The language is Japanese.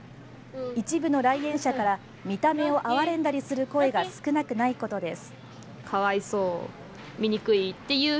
一部の来園者から見た目をあわれんだりする声が少なくないことです。